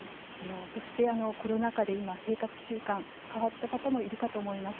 そしてコロナ禍で今生活習慣変わった方もいるかと思います。